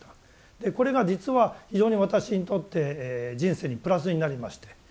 でこれが実は非常に私にとって人生にプラスになりまして